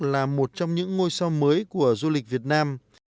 là một trong những ngôi sao mới của du lịch việt nam